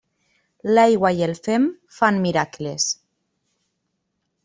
L'aigua i el fem fan miracles.